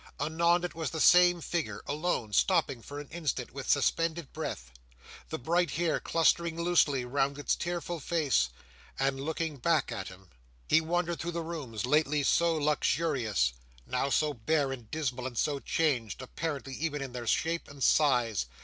Anon, it was the same figure, alone, stopping for an instant, with suspended breath; the bright hair clustering loosely round its tearful face; and looking back at him. He wandered through the rooms: lately so luxurious; now so bare and dismal and so changed, apparently, even in their shape and size.